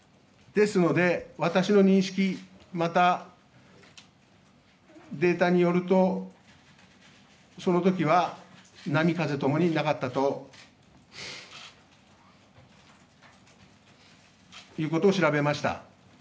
ですので私の認識、また、データによるとそのときは波風ともになかったことを調べました。